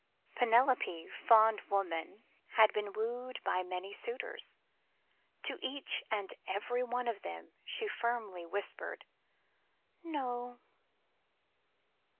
Penelope, fond woman, had been wooed by many suitors; To each and every one of them she firmly whispered "No."